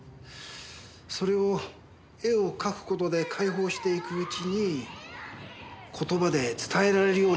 それを絵を描く事で解放していくうちに言葉で伝えられるようになったんだと思います。